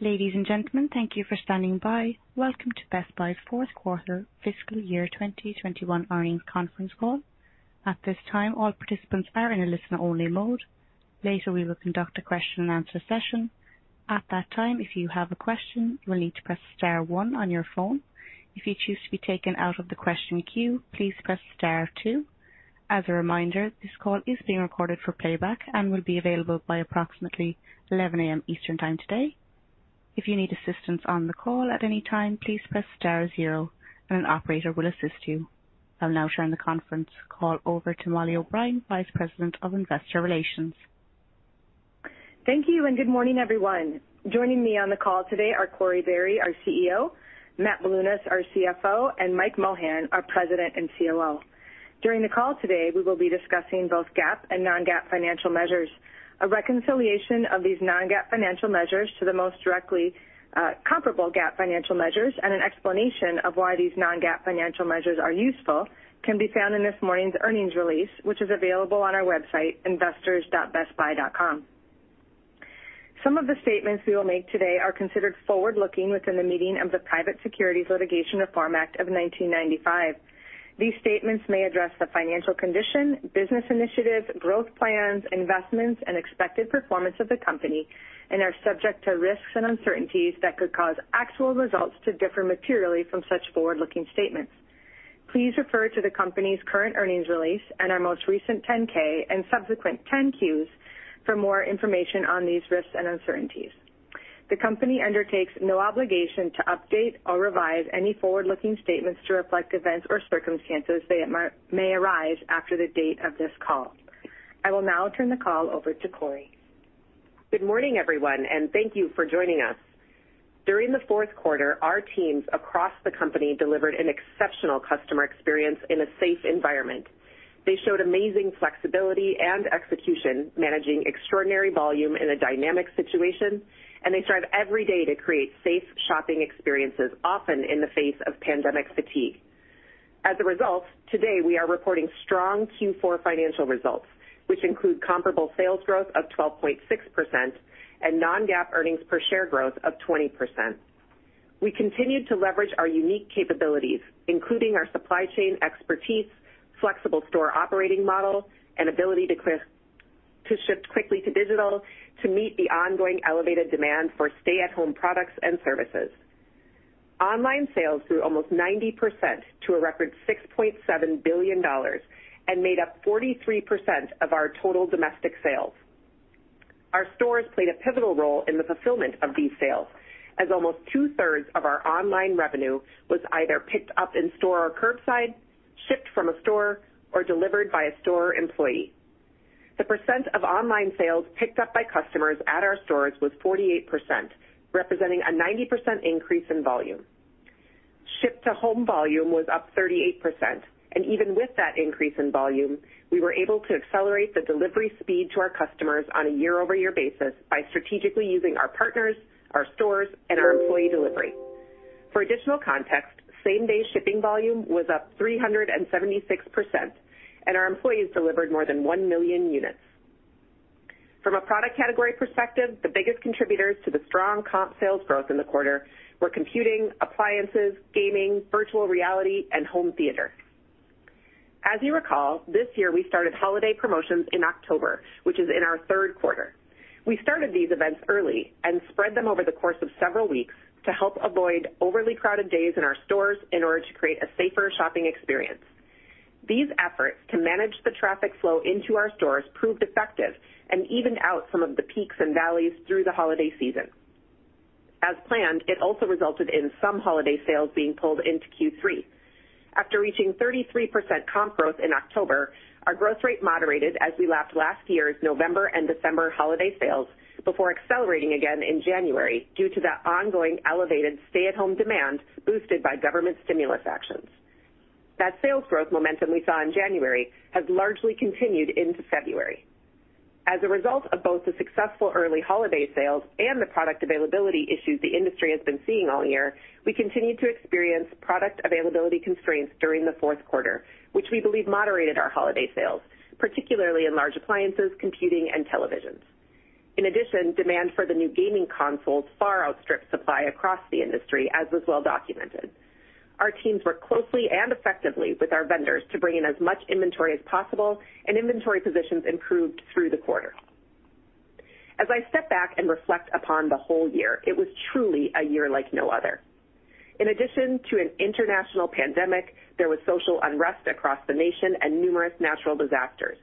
Ladies and gentlemen, thank you for standing by. Welcome to Best Buy's fourth quarter fiscal year 2021 earnings conference call. At this time, all participants are in a listen-only mode. Later, we will conduct a question-and-answer session. At that time, if you have a question, you will need to press star one on your phone. If you choose to be taken out of the question queue, please press star two. As a reminder, this call is being recorded for playback and will be available by approximately 11:00 A.M. Eastern Time today. If you need assistance on the call at any time, please press star zero and an operator will assist you. I'll now turn the conference call over to Mollie O'Brien, Vice President of Investor Relations. Thank you, good morning, everyone. Joining me on the call today are Corie Barry, our CEO, Matt Bilunas, our CFO, and Mike Mohan, our President and COO. During the call today, we will be discussing both GAAP and non-GAAP financial measures. A reconciliation of these non-GAAP financial measures to the most directly comparable GAAP financial measures and an explanation of why these non-GAAP financial measures are useful can be found in this morning's earnings release, which is available on our website, investors.bestbuy.com. Some of the statements we will make today are considered forward-looking within the meaning of the Private Securities Litigation Reform Act of 1995. These statements may address the financial condition, business initiatives, growth plans, investments, and expected performance of the company and are subject to risks and uncertainties that could cause actual results to differ materially from such forward-looking statements. Please refer to the company's current earnings release and our most recent 10-K and subsequent 10-Q for more information on these risks and uncertainties. The company undertakes no obligation to update or revise any forward-looking statements to reflect events or circumstances that may arise after the date of this call. I will now turn the call over to Corie. Good morning, everyone, and thank you for joining us. During the fourth quarter, our teams across the company delivered an exceptional customer experience in a safe environment. They showed amazing flexibility and execution, managing extraordinary volume in a dynamic situation, and they strive every day to create safe shopping experiences, often in the face of pandemic fatigue. As a result, today we are reporting strong Q4 financial results, which include comparable sales growth of 12.6% and non-GAAP earnings per share growth of 20%. We continued to leverage our unique capabilities, including our supply chain expertise, flexible store operating model, and ability to shift quickly to digital to meet the ongoing elevated demand for stay-at-home products and services. Online sales grew almost 90% to a record $6.7 billion and made up 43% of our total domestic sales. Our stores played a pivotal role in the fulfillment of these sales, as almost two-thirds of our online revenue was either picked up in-store or curbside, shipped from a store, or delivered by a store employee. The percent of online sales picked up by customers at our stores was 48%, representing a 90% increase in volume. Ship-to-home volume was up 38%, and even with that increase in volume, we were able to accelerate the delivery speed to our customers on a year-over-year basis by strategically using our partners, our stores, and our employee delivery. For additional context, same-day shipping volume was up 376%, and our employees delivered more than 1 million units. From a product category perspective, the biggest contributors to the strong comp sales growth in the quarter were computing, appliances, gaming, virtual reality, and home theater. As you recall, this year we started holiday promotions in October, which is in our third quarter. We started these events early and spread them over the course of several weeks to help avoid overly crowded days in our stores in order to create a safer shopping experience. These efforts to manage the traffic flow into our stores proved effective and evened out some of the peaks and valleys through the holiday season. As planned, it also resulted in some holiday sales being pulled into Q3. After reaching 33% comp growth in October, our growth rate moderated as we lapped last year's November and December holiday sales before accelerating again in January due to that ongoing elevated stay-at-home demand boosted by government stimulus actions. That sales growth momentum we saw in January has largely continued into February. As a result of both the successful early holiday sales and the product availability issues the industry has been seeing all year, we continued to experience product availability constraints during the fourth quarter, which we believe moderated our holiday sales, particularly in large appliances, computing, and televisions. In addition, demand for the new gaming consoles far outstripped supply across the industry, as was well documented. Our teams worked closely and effectively with our vendors to bring in as much inventory as possible, and inventory positions improved through the quarter. As I step back and reflect upon the whole year, it was truly a year like no other. In addition to an international pandemic, there was social unrest across the nation and numerous natural disasters.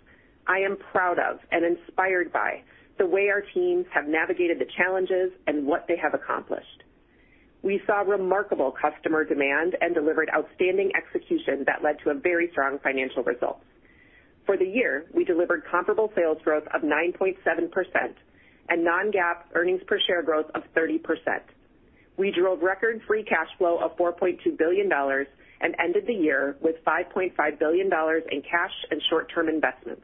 I am proud of and inspired by the way our teams have navigated the challenges and what they have accomplished. We saw remarkable customer demand and delivered outstanding execution that led to a very strong financial result. For the year, we delivered comparable sales growth of 9.7% and non-GAAP earnings per share growth of 30%. We drove record free cash flow of $4.2 billion and ended the year with $5.5 billion in cash and short-term investments.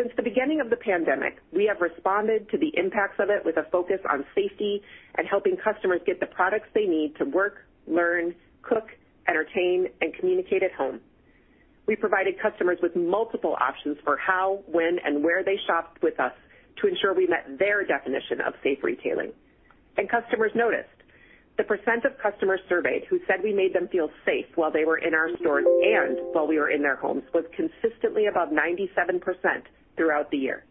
Since the beginning of the pandemic, we have responded to the impacts of it with a focus on safety and helping customers get the products they need to work, learn, cook, entertain, and communicate at home. We provided customers with multiple options for how, when, and where they shopped with us to ensure we met their definition of safe retailing. Customers noticed. The percent of customers surveyed who said we made them feel safe while they were in our stores and while we were in their homes was consistently above 97% throughout the year.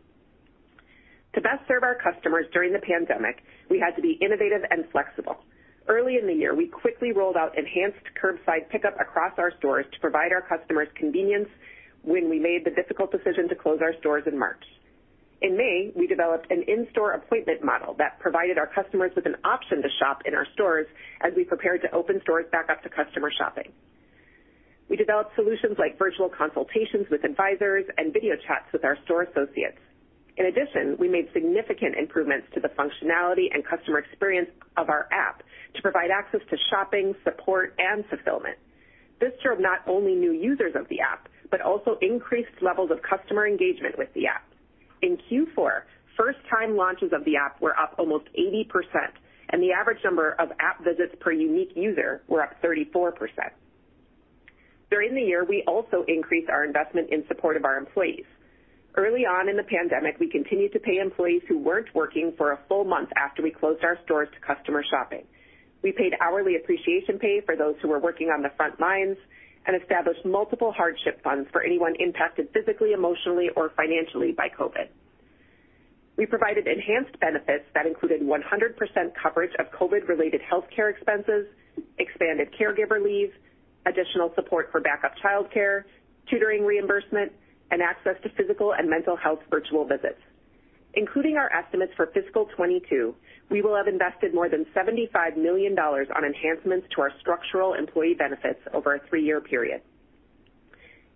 To best serve our customers during the pandemic, we had to be innovative and flexible. Early in the year, we quickly rolled out enhanced curbside pickup across our stores to provide our customers convenience when we made the difficult decision to close our stores in March. In May, we developed an in-store appointment model that provided our customers with an option to shop in our stores as we prepared to open stores back up to customer shopping. We developed solutions like virtual consultations with advisors and video chats with our store associates. In addition, we made significant improvements to the functionality and customer experience of our app to provide access to shopping, support, and fulfillment. This served not only new users of the app, but also increased levels of customer engagement with the app. In Q4, first-time launches of the app were up almost 80%, and the average number of app visits per unique user were up 34%. During the year, we also increased our investment in support of our employees. Early on in the pandemic, we continued to pay employees who weren't working for a full month after we closed our stores to customer shopping. We paid hourly appreciation pay for those who were working on the front lines and established multiple hardship funds for anyone impacted physically, emotionally, or financially by COVID. We provided enhanced benefits that included 100% coverage of COVID-related healthcare expenses, expanded caregiver leave, additional support for backup childcare, tutoring reimbursement, and access to physical and mental health virtual visits. Including our estimates for fiscal 2022, we will have invested more than $75 million on enhancements to our structural employee benefits over a three-year period.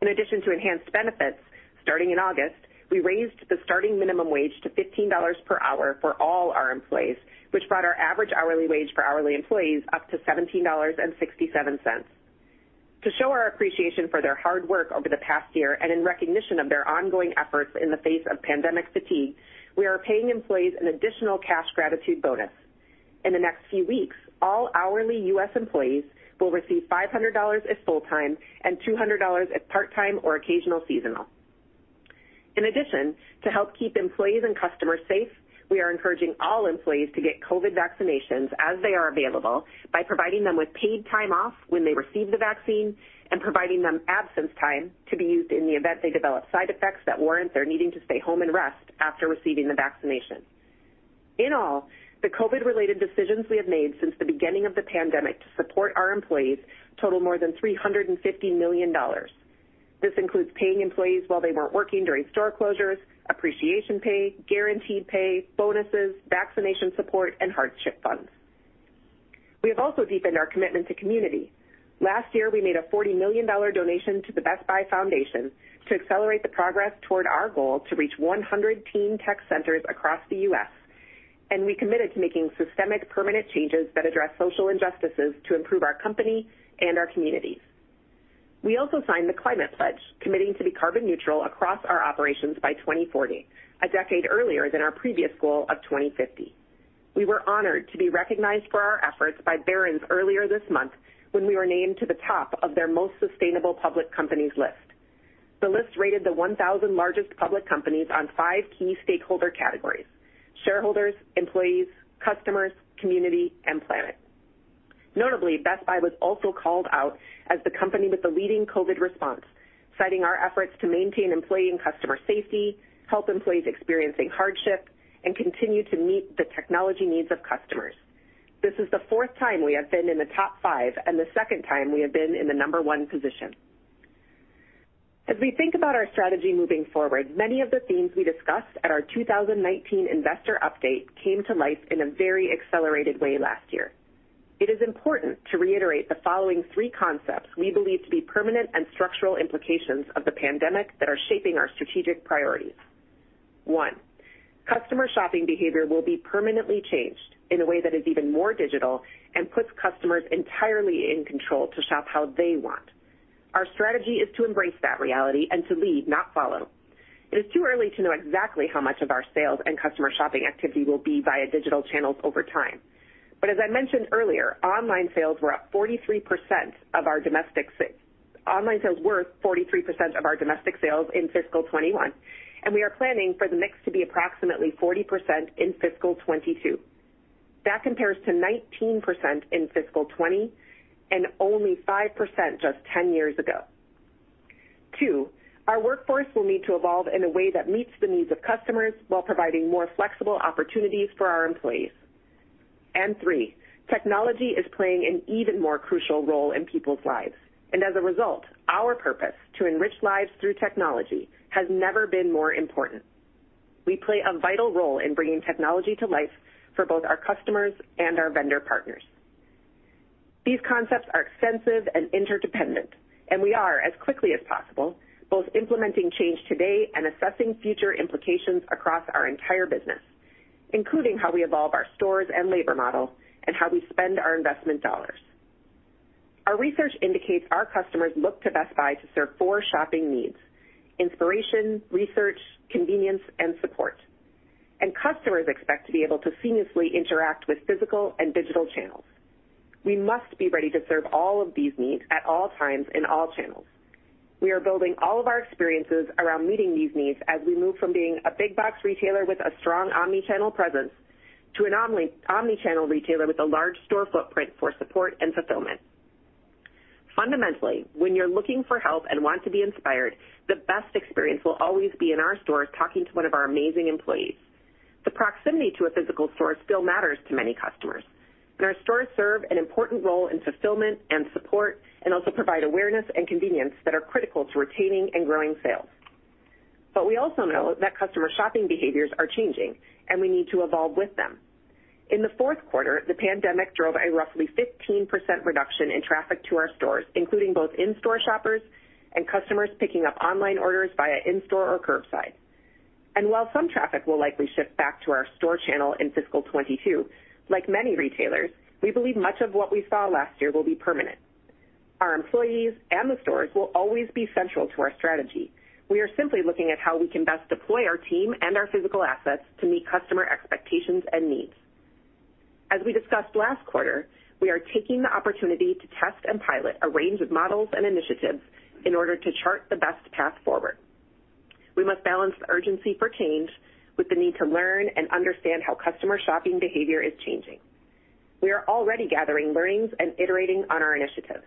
In addition to enhanced benefits, starting in August, we raised the starting minimum wage to $15 per hour for all our employees, which brought our average hourly wage for hourly employees up to $17.67. To show our appreciation for their hard work over the past year and in recognition of their ongoing efforts in the face of pandemic fatigue, we are paying employees an additional cash gratitude bonus. In the next few weeks, all hourly U.S. employees will receive $500 if full-time and $200 if part-time or occasional seasonal. In addition, to help keep employees and customers safe, we are encouraging all employees to get COVID vaccinations as they are available by providing them with paid time off when they receive the vaccine and providing them absence time to be used in the event they develop side effects that warrant their needing to stay home and rest after receiving the vaccination. In all, the COVID-related decisions we have made since the beginning of the pandemic to support our employees total more than $350 million. This includes paying employees while they weren't working during store closures, appreciation pay, guaranteed pay, bonuses, vaccination support, and hardship funds. We have also deepened our commitment to community. Last year, we made a $40 million donation to the Best Buy Foundation to accelerate the progress toward our goal to reach 100 Teen Tech Centers across the U.S., and we committed to making systemic, permanent changes that address social injustices to improve our company and our communities. We also signed The Climate Pledge, committing to be carbon neutral across our operations by 2040, a decade earlier than our previous goal of 2050. We were honored to be recognized for our efforts by Barron's earlier this month when we were named to the top of their most sustainable public companies list. The list rated the 1,000 largest public companies on five key stakeholder categories: shareholders, employees, customers, community, and planet. Notably, Best Buy was also called out as the company with the leading COVID response, citing our efforts to maintain employee and customer safety, help employees experiencing hardship, and continue to meet the technology needs of customers. This is the fourth time we have been in the top five and the second time we have been in the number one position. As we think about our strategy moving forward, many of the themes we discussed at our 2019 investor update came to life in a very accelerated way last year. It is important to reiterate the following three concepts we believe to be permanent and structural implications of the pandemic that are shaping our strategic priorities. One, customer shopping behavior will be permanently changed in a way that is even more digital and puts customers entirely in control to shop how they want. Our strategy is to embrace that reality and to lead, not follow. It is too early to know exactly how much of our sales and customer shopping activity will be via digital channels over time. But as I mentioned earlier, online sales were 43% of our domestic sales in fiscal 2021, and we are planning for the mix to be approximately 40% in fiscal 2022. That compares to 19% in fiscal 2020 and only 5% just 10 years ago. Two, our workforce will need to evolve in a way that meets the needs of customers while providing more flexible opportunities for our employees. Three, technology is playing an even more crucial role in people's lives, and as a result, our purpose, to enrich lives through technology, has never been more important. We play a vital role in bringing technology to life for both our customers and our vendor partners. These concepts are extensive and interdependent. We are, as quickly as possible, both implementing change today and assessing future implications across our entire business, including how we evolve our stores and labor model and how we spend our investment dollars. Our research indicates our customers look to Best Buy to serve four shopping needs: inspiration, research, convenience, and support. Customers expect to be able to seamlessly interact with physical and digital channels. We must be ready to serve all of these needs at all times in all channels. We are building all of our experiences around meeting these needs as we move from being a big box retailer with a strong omni-channel presence to an omni-channel retailer with a large store footprint for support and fulfillment. Fundamentally, when you're looking for help and want to be inspired, the best experience will always be in our stores talking to one of our amazing employees. The proximity to a physical store still matters to many customers, and our stores serve an important role in fulfillment and support and also provide awareness and convenience that are critical to retaining and growing sales. We also know that customer shopping behaviors are changing, and we need to evolve with them. In the fourth quarter, the pandemic drove a roughly 15% reduction in traffic to our stores, including both in-store shoppers and customers picking up online orders via in-store or curbside. While some traffic will likely shift back to our store channel in fiscal 2022, like many retailers, we believe much of what we saw last year will be permanent. Our employees and the stores will always be central to our strategy. We are simply looking at how we can best deploy our team and our physical assets to meet customer expectations and needs. As we discussed last quarter, we are taking the opportunity to test and pilot a range of models and initiatives in order to chart the best path forward. We must balance the urgency for change with the need to learn and understand how customer shopping behavior is changing. We are already gathering learnings and iterating on our initiatives.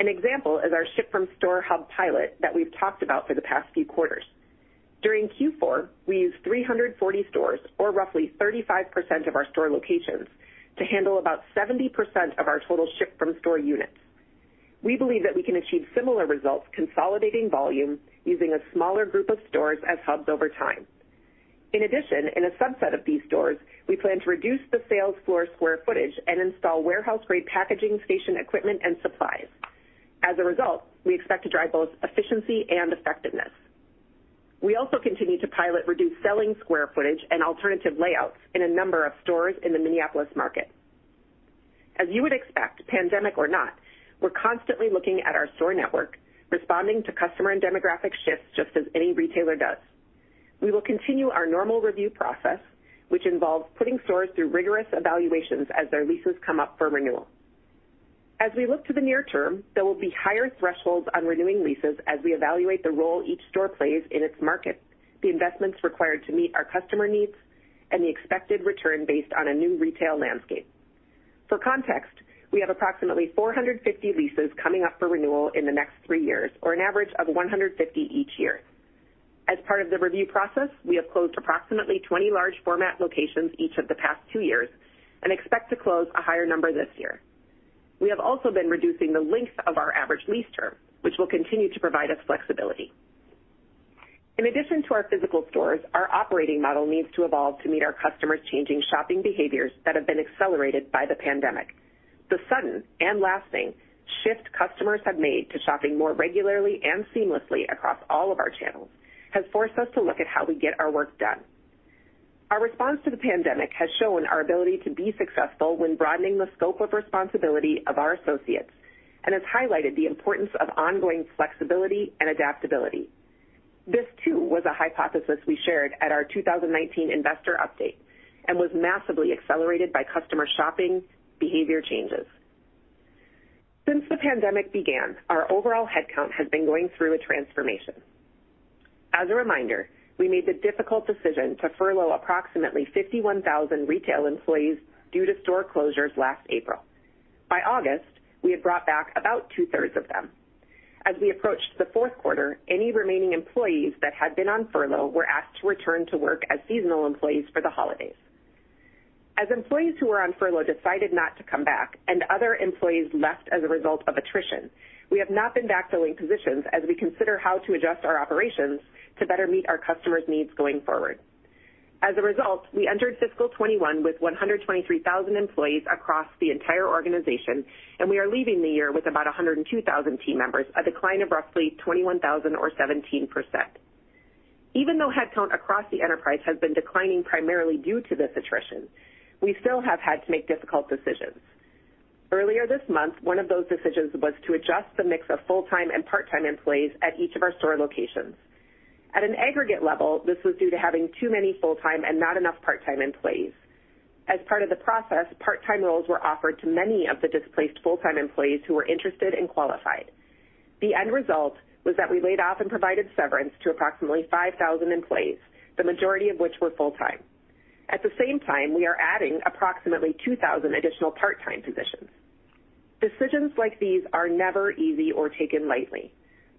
An example is our ship from store hub pilot that we've talked about for the past few quarters. During Q4, we used 340 stores, or roughly 35% of our store locations, to handle about 70% of our total ship from store units. We believe that we can achieve similar results consolidating volume using a smaller group of stores as hubs over time. In addition, in a subset of these stores, we plan to reduce the sales floor square footage and install warehouse-grade packaging station equipment and supplies. As a result, we expect to drive both efficiency and effectiveness. We also continue to pilot reduced selling square footage and alternative layouts in a number of stores in the Minneapolis market. As you would expect, pandemic or not, we're constantly looking at our store network, responding to customer and demographic shifts just as any retailer does. We will continue our normal review process, which involves putting stores through rigorous evaluations as their leases come up for renewal. As we look to the near term, there will be higher thresholds on renewing leases as we evaluate the role each store plays in its market, the investments required to meet our customer needs, and the expected return based on a new retail landscape. For context, we have approximately 450 leases coming up for renewal in the next three years, or an average of 150 each year. As part of the review process, we have closed approximately 20 large format locations each of the past two years and expect to close a higher number this year. We have also been reducing the length of our average lease term, which will continue to provide us flexibility. In addition to our physical stores, our operating model needs to evolve to meet our customers' changing shopping behaviors that have been accelerated by the pandemic. The sudden and lasting shift customers have made to shopping more regularly and seamlessly across all of our channels has forced us to look at how we get our work done. Our response to the pandemic has shown our ability to be successful when broadening the scope of responsibility of our associates and has highlighted the importance of ongoing flexibility and adaptability. This too was a hypothesis we shared at our 2019 investor update and was massively accelerated by customer shopping behavior changes. Since the pandemic began, our overall headcount has been going through a transformation. As a reminder, we made the difficult decision to furlough approximately 51,000 retail employees due to store closures last April. By August, we had brought back about two-thirds of them. As we approached the fourth quarter, any remaining employees that had been on furlough were asked to return to work as seasonal employees for the holidays. As employees who were on furlough decided not to come back and other employees left as a result of attrition, we have not been backfilling positions as we consider how to adjust our operations to better meet our customers' needs going forward. As a result, we entered fiscal 2021 with 123,000 employees across the entire organization, and we are leaving the year with about 102,000 team members, a decline of roughly 21,000 or 17%. Even though headcount across the enterprise has been declining primarily due to this attrition, we still have had to make difficult decisions. Earlier this month, one of those decisions was to adjust the mix of full-time and part-time employees at each of our store locations. At an aggregate level, this was due to having too many full-time and not enough part-time employees. As part of the process, part-time roles were offered to many of the displaced full-time employees who were interested and qualified. The end result was that we laid off and provided severance to approximately 5,000 employees, the majority of which were full-time. At the same time, we are adding approximately 2,000 additional part-time positions. Decisions like these are never easy or taken lightly,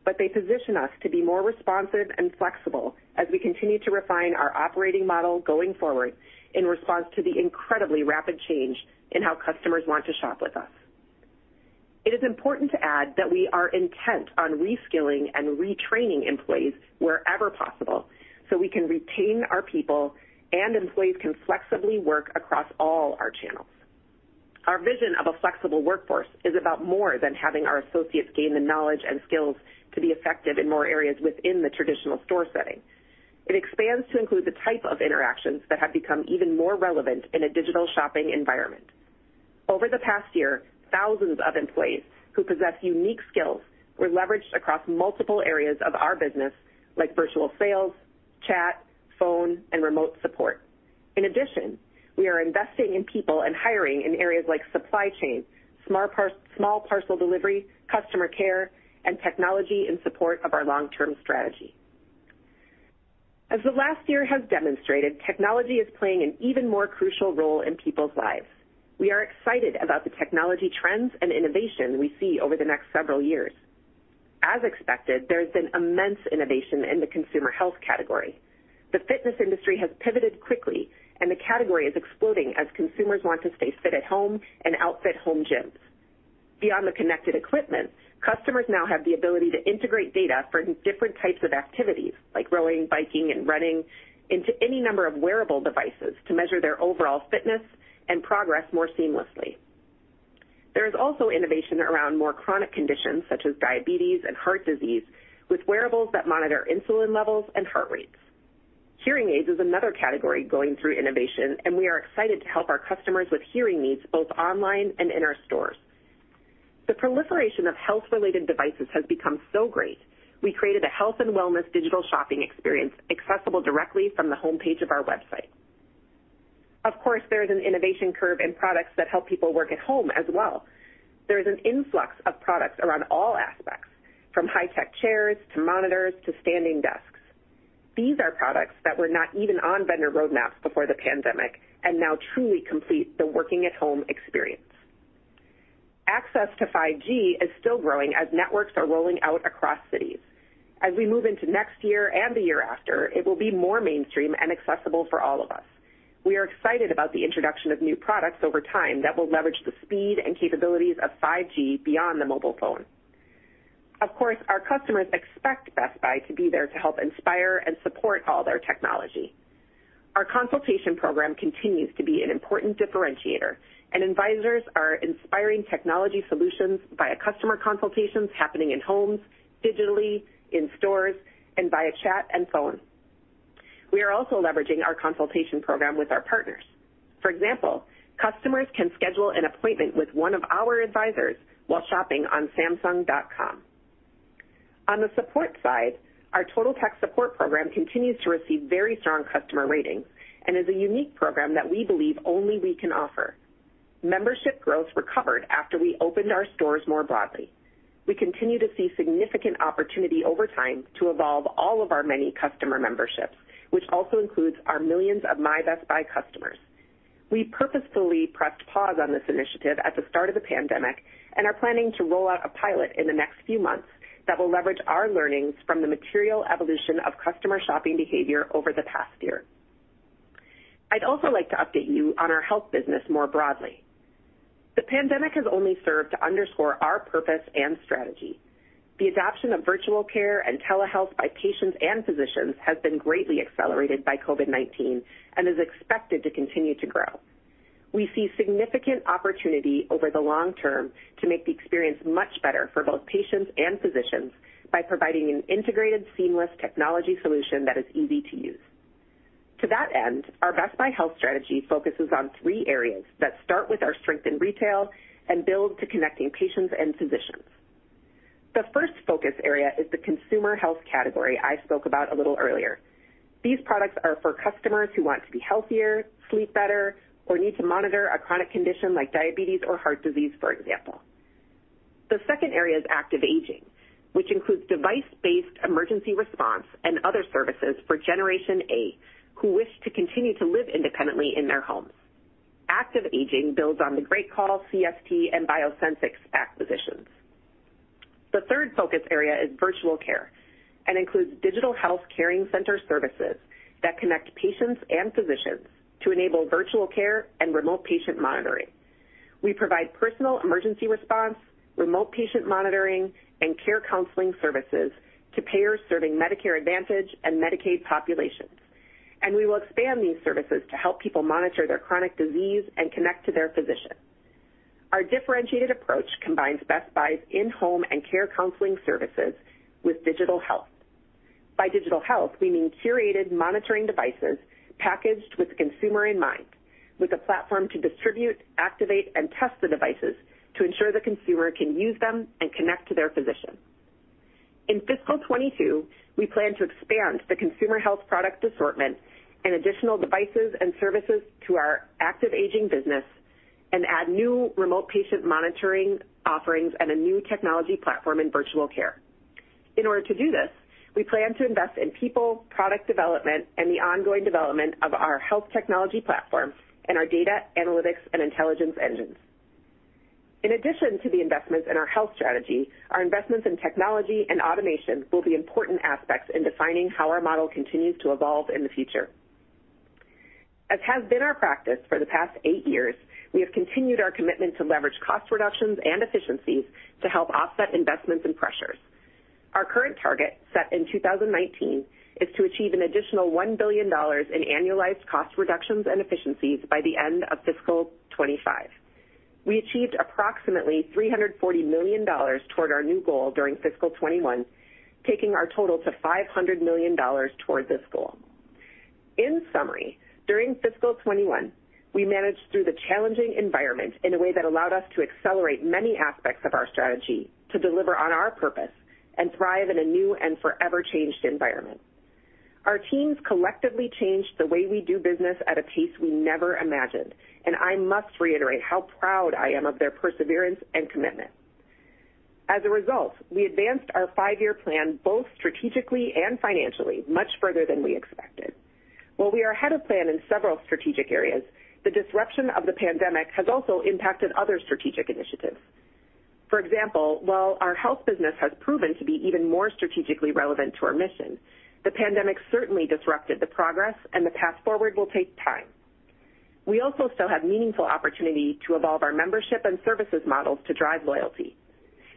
but they position us to be more responsive and flexible as we continue to refine our operating model going forward in response to the incredibly rapid change in how customers want to shop with us. It is important to add that we are intent on reskilling and retraining employees wherever possible so we can retain our people and employees can flexibly work across all our channels. Our vision of a flexible workforce is about more than having our associates gain the knowledge and skills to be effective in more areas within the traditional store setting. It expands to include the type of interactions that have become even more relevant in a digital shopping environment. Over the past year, thousands of employees who possess unique skills were leveraged across multiple areas of our business like virtual sales, chat, phone, and remote support. In addition, we are investing in people and hiring in areas like supply chain, small parcel delivery, customer care, and technology in support of our long-term strategy. As the last year has demonstrated, technology is playing an even more crucial role in people's lives. We are excited about the technology trends and innovation we see over the next several years. As expected, there has been immense innovation in the consumer health category. The fitness industry has pivoted quickly, and the category is exploding as consumers want to stay fit at home and outfit home gyms. Beyond the connected equipment, customers now have the ability to integrate data from different types of activities like rowing, biking, and running into any number of wearable devices to measure their overall fitness and progress more seamlessly. There is also innovation around more chronic conditions such as diabetes and heart disease, with wearables that monitor insulin levels and heart rates. Hearing aids is another category going through innovation, and we are excited to help our customers with hearing needs both online and in our stores. The proliferation of health-related devices has become so great, we created a health and wellness digital shopping experience accessible directly from the homepage of our website. Of course, there is an innovation curve in products that help people work at home as well. There is an influx of products around all aspects, from high-tech chairs to monitors to standing desks. These are products that were not even on vendor roadmaps before the pandemic and now truly complete the working-at-home experience. Access to 5G is still growing as networks are rolling out across cities. As we move into next year and the year after, it will be more mainstream and accessible for all of us. We are excited about the introduction of new products over time that will leverage the speed and capabilities of 5G beyond the mobile phone. Of course, our customers expect Best Buy to be there to help inspire and support all their technology. Our consultation program continues to be an important differentiator, and advisors are inspiring technology solutions via customer consultations happening in homes, digitally, in stores, and via chat and phone. We are also leveraging our consultation program with our partners. For example, customers can schedule an appointment with one of our advisors while shopping on samsung.com. On the support side, our Total Tech Support program continues to receive very strong customer ratings and is a unique program that we believe only we can offer. Membership growth recovered after we opened our stores more broadly. We continue to see significant opportunity over time to evolve all of our many customer memberships, which also includes our millions of My Best Buy customers. We purposefully pressed pause on this initiative at the start of the pandemic and are planning to roll out a pilot in the next few months that will leverage our learnings from the material evolution of customer shopping behavior over the past year. I'd also like to update you on our Health business more broadly. The pandemic has only served to underscore our purpose and strategy. The adoption of virtual care and telehealth by patients and physicians has been greatly accelerated by COVID-19 and is expected to continue to grow. We see significant opportunity over the long term to make the experience much better for both patients and physicians by providing an integrated, seamless technology solution that is easy to use. To that end, our Best Buy health strategy focuses on three areas that start with our strength in retail and build to connecting patients and physicians. The first focus area is the consumer health category I spoke about a little earlier. These products are for customers who want to be healthier, sleep better, or need to monitor a chronic condition like diabetes or heart disease, for example. The second area is active aging, which includes device-based emergency response and other services for Generation A, who wish to continue to live independently in their homes. Active aging builds on the GreatCall, CST, and BioSensics acquisitions. The third focus area is virtual care and includes digital health caring center services that connect patients and physicians to enable virtual care and remote patient monitoring. We provide personal emergency response, remote patient monitoring, and care counseling services to payers serving Medicare Advantage and Medicaid populations, and we will expand these services to help people monitor their chronic disease and connect to their physician. Our differentiated approach combines Best Buy's in-home and care counseling services with digital health. By digital health, we mean curated monitoring devices packaged with the consumer in mind, with a platform to distribute, activate, and test the devices to ensure the consumer can use them and connect to their physician. In fiscal 2022, we plan to expand the consumer health product assortment and additional devices and services to our active aging business and add new remote patient monitoring offerings and a new technology platform in virtual care. In order to do this, we plan to invest in people, product development, and the ongoing development of our health technology platform and our data analytics and intelligence engines. In addition to the investments in our health strategy, our investments in technology and automation will be important aspects in defining how our model continues to evolve in the future. As has been our practice for the past eight years, we have continued our commitment to leverage cost reductions and efficiencies to help offset investments and pressures. Our current target, set in 2019, is to achieve an additional $1 billion in annualized cost reductions and efficiencies by the end of fiscal 2025. We achieved approximately $340 million toward our new goal during fiscal 2021, taking our total to $500 million toward this goal. In summary, during fiscal 2021, we managed through the challenging environment in a way that allowed us to accelerate many aspects of our strategy to deliver on our purpose and thrive in a new and forever changed environment. Our teams collectively changed the way we do business at a pace we never imagined, I must reiterate how proud I am of their perseverance and commitment. As a result, we advanced our five-year plan both strategically and financially, much further than we expected. While we are ahead of plan in several strategic areas, the disruption of the pandemic has also impacted other strategic initiatives. For example, while our health business has proven to be even more strategically relevant to our mission, the pandemic certainly disrupted the progress, and the path forward will take time. We also still have meaningful opportunity to evolve our membership and services models to drive loyalty.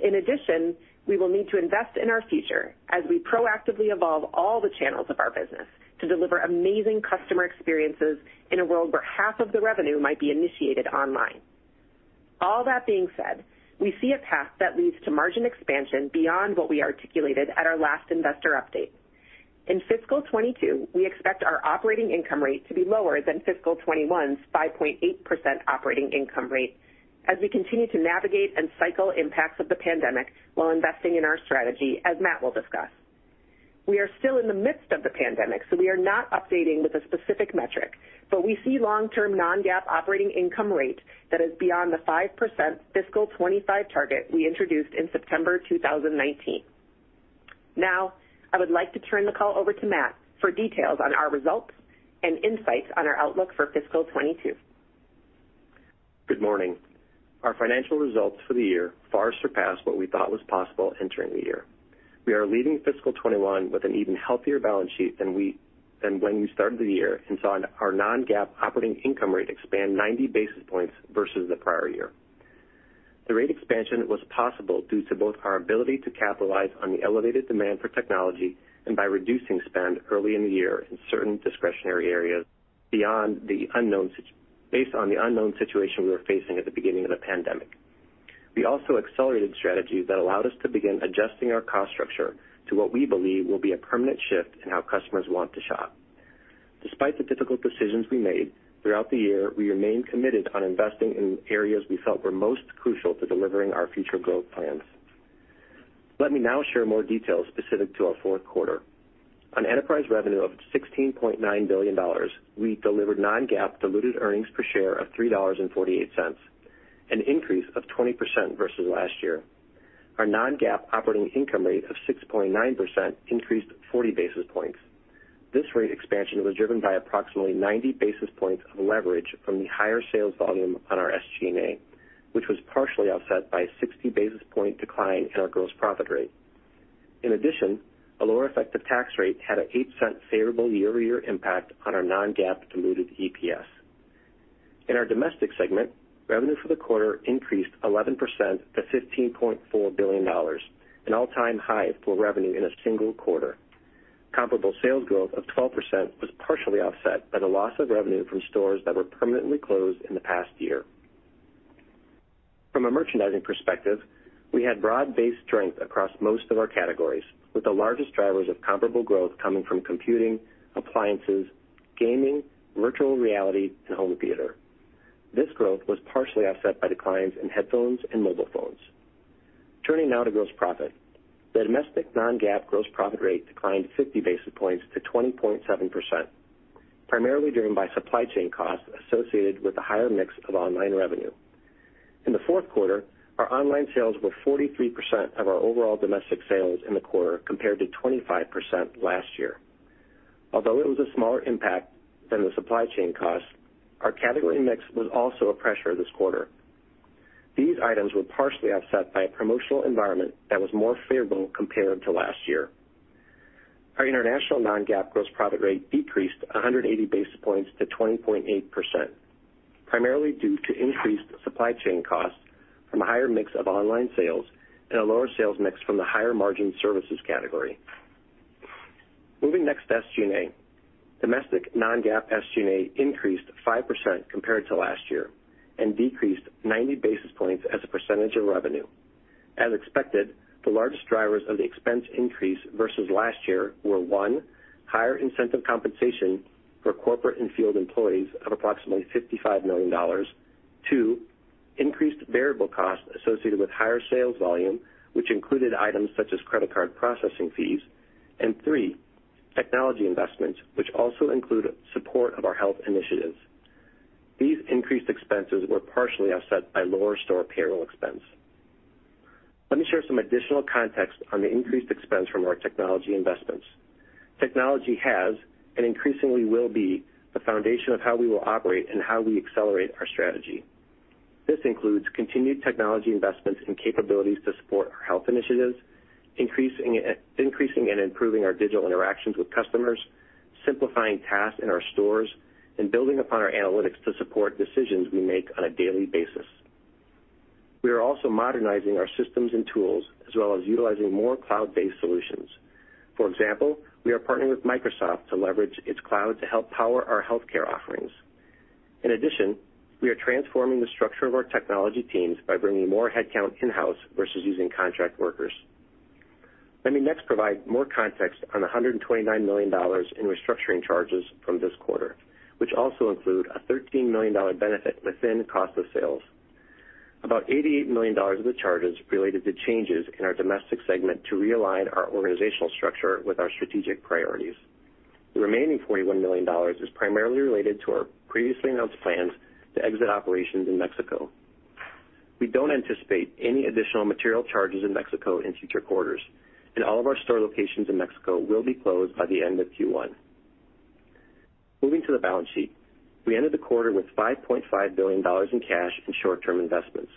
In addition, we will need to invest in our future as we proactively evolve all the channels of our business to deliver amazing customer experiences in a world where half of the revenue might be initiated online. All that being said, we see a path that leads to margin expansion beyond what we articulated at our last investor update. In fiscal 2022, we expect our operating income rate to be lower than fiscal 2021's 5.8% operating income rate as we continue to navigate and cycle impacts of the pandemic while investing in our strategy, as Matt will discuss. We are still in the midst of the pandemic, so we are not updating with a specific metric, but we see long-term non-GAAP operating income rate that is beyond the 5% fiscal 2025 target we introduced in September 2019. Now, I would like to turn the call over to Matt for details on our results and insights on our outlook for fiscal 2022. Good morning. Our financial results for the year far surpassed what we thought was possible entering the year. We are leaving fiscal 2021 with an even healthier balance sheet than when we started the year and saw our non-GAAP operating income rate expand 90 basis points versus the prior year. The rate expansion was possible due to both our ability to capitalize on the elevated demand for technology and by reducing spend early in the year in certain discretionary areas based on the unknown situation we were facing at the beginning of the pandemic. We also accelerated strategies that allowed us to begin adjusting our cost structure to what we believe will be a permanent shift in how customers want to shop. Despite the difficult decisions we made, throughout the year, we remained committed on investing in areas we felt were most crucial to delivering our future growth plans. Let me now share more details specific to our fourth quarter. On enterprise revenue of $16.9 billion, we delivered non-GAAP diluted earnings per share of $3.48, an increase of 20% versus last year. Our non-GAAP operating income rate of 6.9% increased 40 basis points. This rate expansion was driven by approximately 90 basis points of leverage from the higher sales volume on our SG&A, which was partially offset by a 60-basis-point decline in our gross profit rate. In addition, a lower effective tax rate had an $0.08 favorable year-over-year impact on our non-GAAP diluted EPS. In our domestic segment, revenue for the quarter increased 11% to $15.4 billion, an all-time high for revenue in a single quarter. Comparable sales growth of 12% was partially offset by the loss of revenue from stores that were permanently closed in the past year. From a merchandising perspective, we had broad-based strength across most of our categories, with the largest drivers of comparable growth coming from computing, appliances, gaming, virtual reality, and home theater. This growth was partially offset by declines in headphones and mobile phones. Turning now to gross profit. The domestic non-GAAP gross profit rate declined 50 basis points to 20.7%, primarily driven by supply chain costs associated with the higher mix of online revenue. In the fourth quarter, our online sales were 43% of our overall domestic sales in the quarter, compared to 25% last year. Although it was a smaller impact than the supply chain cost, our category mix was also a pressure this quarter. These items were partially offset by a promotional environment that was more favorable compared to last year. Our international non-GAAP gross profit rate decreased 180 basis points to 20.8%, primarily due to increased supply chain costs from a higher mix of online sales and a lower sales mix from the higher-margin services category. Moving next to SG&A. Domestic non-GAAP SG&A increased 5% compared to last year and decreased 90 basis points as a percentage of revenue. As expected, the largest drivers of the expense increase versus last year were, one, higher incentive compensation for corporate and field employees of approximately $55 million. Two, increased variable costs associated with higher sales volume, which included items such as credit card processing fees. Three, technology investments, which also include support of our health initiatives. These increased expenses were partially offset by lower store payroll expense. Let me share some additional context on the increased expense from our technology investments. Technology has and increasingly will be the foundation of how we will operate and how we accelerate our strategy. This includes continued technology investments and capabilities to support our health initiatives, increasing and improving our digital interactions with customers, simplifying tasks in our stores, and building upon our analytics to support decisions we make on a daily basis. We are also modernizing our systems and tools, as well as utilizing more cloud-based solutions. For example, we are partnering with Microsoft to leverage its cloud to help power our healthcare offerings. In addition, we are transforming the structure of our technology teams by bringing more headcount in-house versus using contract workers. Let me next provide more context on $129 million in restructuring charges from this quarter, which also include a $13 million benefit within cost of sales. About $88 million of the charges related to changes in our domestic segment to realign our organizational structure with our strategic priorities. The remaining $41 million is primarily related to our previously announced plans to exit operations in Mexico. We don't anticipate any additional material charges in Mexico in future quarters, and all of our store locations in Mexico will be closed by the end of Q1. Moving to the balance sheet, we ended the quarter with $5.5 billion in cash and short-term investments.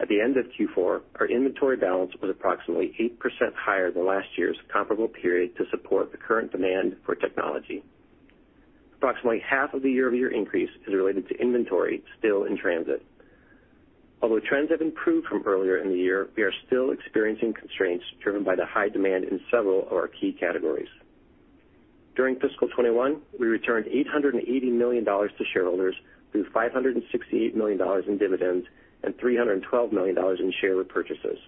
At the end of Q4, our inventory balance was approximately 8% higher than last year's comparable period to support the current demand for technology. Approximately half of the year-over-year increase is related to inventory still in transit. Although trends have improved from earlier in the year, we are still experiencing constraints driven by the high demand in several of our key categories. During fiscal 2021, we returned $880 million to shareholders through $568 million in dividends and $312 million in share repurchases.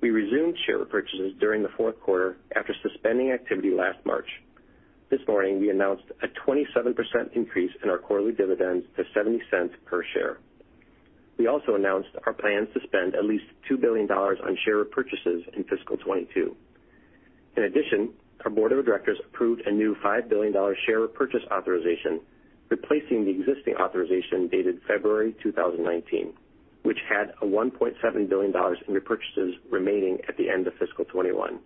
We resumed share repurchases during the fourth quarter after suspending activity last March. This morning, we announced a 27% increase in our quarterly dividends to $0.70 per share. We also announced our plans to spend at least $2 billion on share repurchases in fiscal 2022. In addition, our board of directors approved a new $5 billion share repurchase authorization, replacing the existing authorization dated February 2019, which had $1.7 billion in repurchases remaining at the end of fiscal 2021.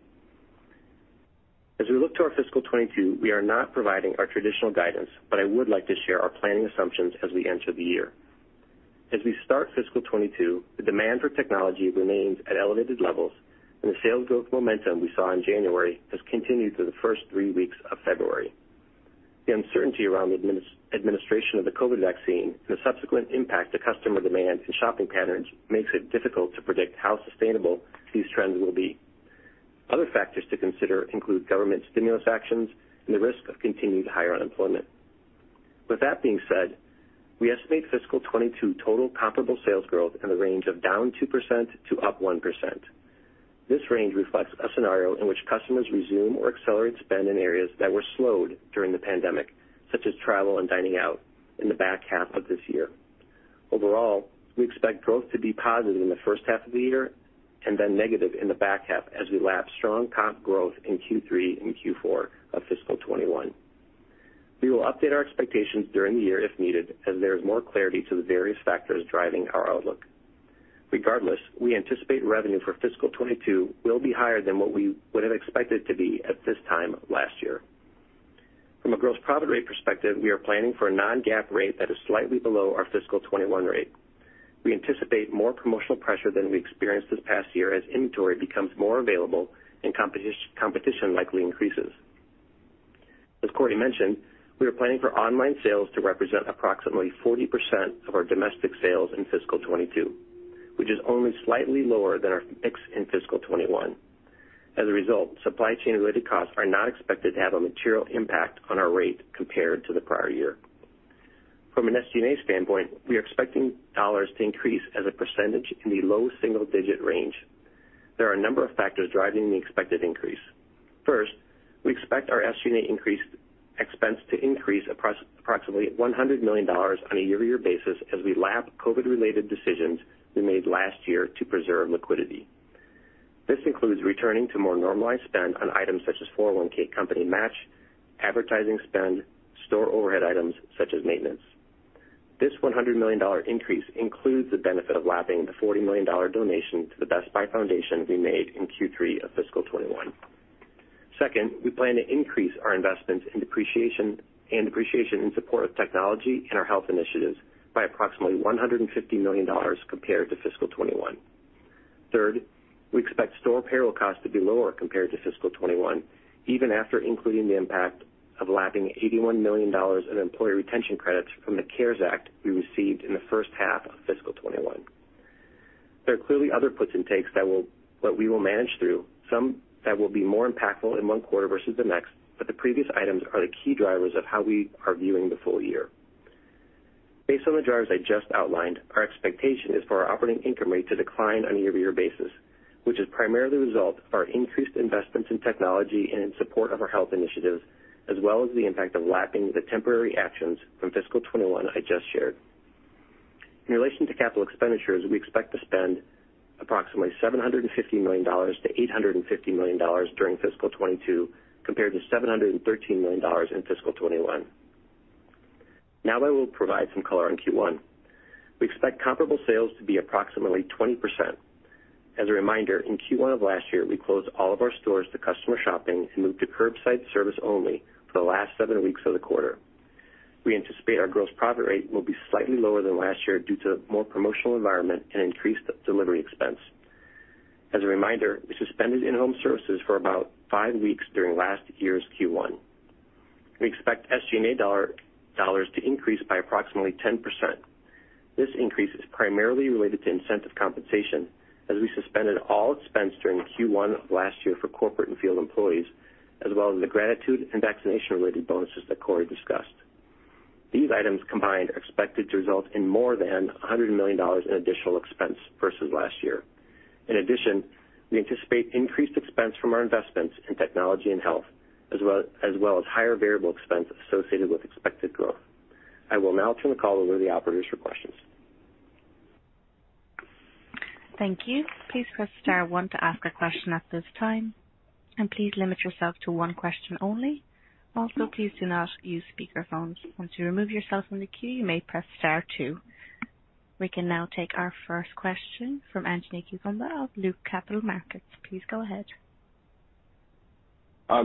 As we look to our fiscal 2022, we are not providing our traditional guidance, but I would like to share our planning assumptions as we enter the year. As we start fiscal 2022, the demand for technology remains at elevated levels, and the sales growth momentum we saw in January has continued through the first three weeks of February. The uncertainty around the administration of the COVID vaccine and the subsequent impact to customer demand and shopping patterns makes it difficult to predict how sustainable these trends will be. Other factors to consider include government stimulus actions and the risk of continued higher unemployment. With that being said, we estimate fiscal 2022 total comparable sales growth in the range of -2% to 1%. This range reflects a scenario in which customers resume or accelerate spend in areas that were slowed during the pandemic, such as travel and dining out in the back half of this year. Overall, we expect growth to be positive in the first half of the year and then negative in the back half as we lap strong comp growth in Q3 and Q4 of fiscal 2021. We will update our expectations during the year if needed as there is more clarity to the various factors driving our outlook. Regardless, we anticipate revenue for fiscal 2022 will be higher than what we would have expected to be at this time last year. From a gross profit rate perspective, we are planning for a non-GAAP rate that is slightly below our fiscal 2021 rate. We anticipate more promotional pressure than we experienced this past year as inventory becomes more available and competition likely increases. As Corie mentioned, we are planning for online sales to represent approximately 40% of our domestic sales in fiscal 2022, which is only slightly lower than our mix in fiscal 2021. As a result, supply chain-related costs are not expected to have a material impact on our rate compared to the prior year. From an SG&A standpoint, we are expecting dollars to increase as a percentage in the low single-digit range. There are a number of factors driving the expected increase. First, we expect our SG&A expense to increase approximately $100 million on a year-over-year basis as we lap COVID-related decisions we made last year to preserve liquidity. This includes returning to more normalized spend on items such as 401(k) company match, advertising spend, store overhead items such as maintenance. This $100 million increase includes the benefit of lapping the $40 million donation to the Best Buy Foundation we made in Q3 of fiscal 2021. Second, we plan to increase our investments and depreciation in support of technology and our health initiatives by approximately $150 million compared to fiscal 2021. Third, we expect store payroll costs to be lower compared to fiscal 2021, even after including the impact of lapping $81 million in employee retention credits from the CARES Act we received in the first half of fiscal 2021. There are clearly other puts and takes that we will manage through, some that will be more impactful in one quarter versus the next, but the previous items are the key drivers of how we are viewing the full year. Based on the drivers I just outlined, our expectation is for our operating income rate to decline on a year-over-year basis, which is primarily the result of our increased investments in technology and in support of our health initiatives, as well as the impact of lapping the temporary actions from fiscal 2021 I just shared. In relation to capital expenditures, we expect to spend approximately $750 million-$850 million during fiscal 2022, compared to $713 million in fiscal 2021. I will provide some color on Q1. We expect comparable sales to be approximately 20%. As a reminder, in Q1 of last year, we closed all of our stores to customer shopping and moved to curbside service only for the last seven weeks of the quarter. We anticipate our gross profit rate will be slightly lower than last year due to more promotional environment and increased delivery expense. As a reminder, we suspended in-home services for about five weeks during last year's Q1. We expect SG&A dollars to increase by approximately 10%. This increase is primarily related to incentive compensation, as we suspended all expense during Q1 of last year for corporate and field employees, as well as the gratitude and vaccination-related bonuses that Corie discussed. These items combined are expected to result in more than $100 million in additional expense versus last year. We anticipate increased expense from our investments in technology and health, as well as higher variable expense associated with expected growth. I will now turn the call over to the operators for questions. Thank you. Please press star one to ask a question at this time. Please limit yourself to one question only. Also, please do not use speakerphone. To remove yourself from the queue, you may press star two. We can now take our first question from Anthony Chukumba of Loop Capital Markets. Please go ahead.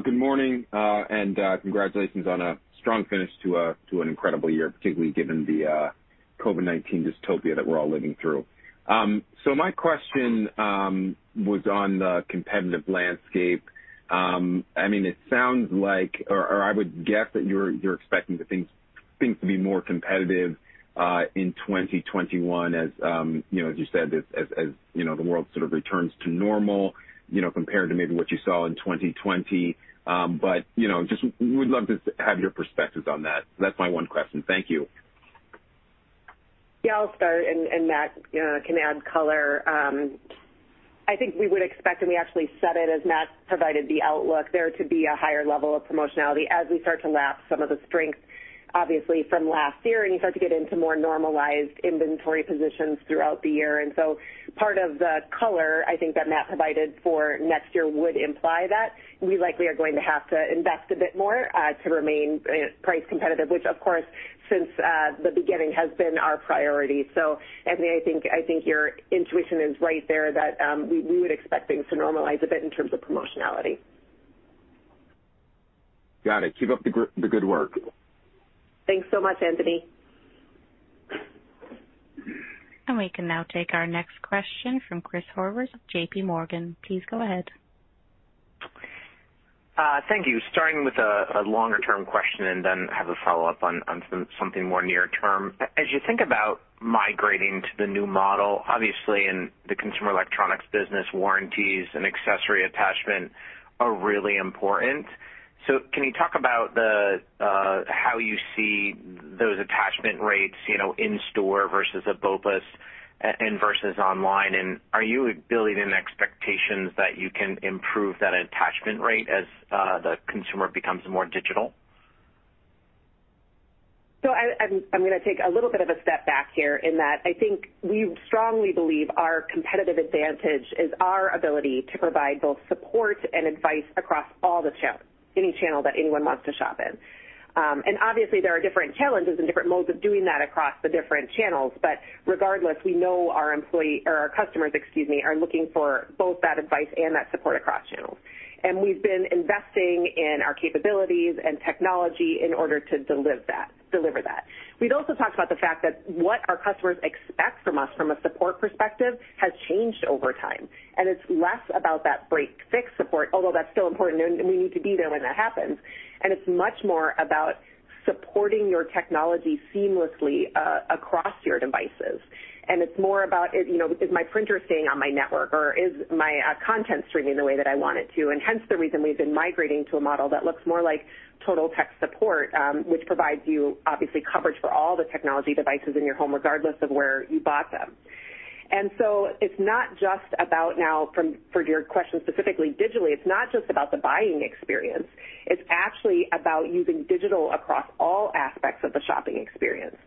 Good morning. Congratulations on a strong finish to an incredible year, particularly given the COVID-19 dystopia that we're all living through. My question was on the competitive landscape. It sounds like, or I would guess that you're expecting things to be more competitive in 2021, as you said, as the world sort of returns to normal, compared to maybe what you saw in 2020. We would love to have your perspectives on that. That's my one question. Thank you. Yeah, I'll start and Matt can add color. I think we would expect, and we actually said it as Matt provided the outlook, there to be a higher level of promotionality as we start to lap some of the strengths, obviously, from last year, and you start to get into more normalized inventory positions throughout the year. Part of the color, I think, that Matt provided for next year would imply that we likely are going to have to invest a bit more to remain price competitive, which, of course, since the beginning has been our priority. Anthony, I think your intuition is right there that we would expect things to normalize a bit in terms of promotionality. Got it. Keep up the good work. Thanks so much, Anthony. We can now take our next question from Chris Horvers of JPMorgan. Please go ahead. Thank you. Starting with a longer-term question and then have a follow-up on something more near term. As you think about migrating to the new model, obviously in the consumer electronics business, warranties and accessory attachment are really important. Can you talk about how you see those attachment rates in store versus a BOPUS and versus online, and are you building in expectations that you can improve that attachment rate as the consumer becomes more digital? I'm going to take a little bit of a step back here in that I think we strongly believe our competitive advantage is our ability to provide both support and advice across any channel that anyone wants to shop in. Obviously, there are different challenges and different modes of doing that across the different channels. Regardless, we know our customers are looking for both that advice and that support across channels. We've been investing in our capabilities and technology in order to deliver that. We've also talked about the fact that what our customers expect from us from a support perspective has changed over time, and it's less about that break-fix support, although that's still important and we need to be there when that happens, and it's much more about supporting your technology seamlessly across your devices. It's more about, is my printer staying on my network? Or is my content streaming the way that I want it to? Hence the reason we've been migrating to a model that looks more like Total Tech Support, which provides you obviously coverage for all the technology devices in your home, regardless of where you bought them. It's not just about now, for your question specifically digitally, it's not just about the buying experience. It's actually about using digital across all aspects of the shopping experience.